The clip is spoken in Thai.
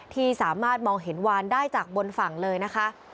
ที่สามารถมองเห็นวานได้จากบนฝั่งเลยนะคะ